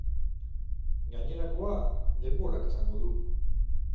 Gainerakoa, denborak esango du.